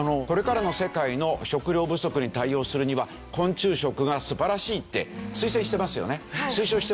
これからの世界の食糧不足に対応するには昆虫食が素晴らしいって推奨してますよね。